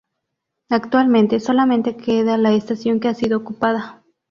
Actualmente solamente queda la estación que ha sido ocupada.